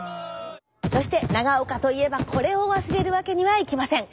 そして長岡といえばこれを忘れるわけにはいきません。